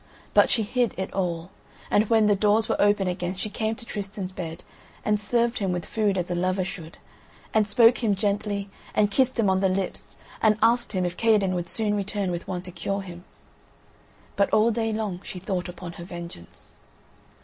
But she hid it all; and when the doors were open again she came to Tristan's bed and served him with food as a lover should, and spoke him gently and kissed him on the lips, and asked him if Kaherdin would soon return with one to cure him … but all day long she thought upon her vengeance.